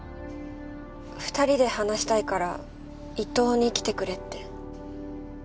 ２人で話したいから伊東に来てくれって。